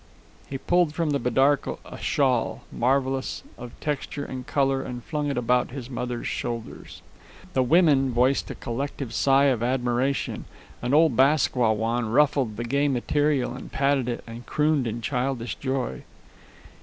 He pulled from the bidarka a shawl, marvelous of texture and color, and flung it about his mother's shoulders. The women voiced a collective sigh of admiration, and old Bask Wah Wan ruffled the gay material and patted it and crooned in childish joy.